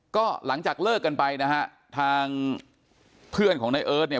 ก็หลังจากเลิกกันไปนะฮะทางเพื่อนของนายเอิร์ทเนี่ย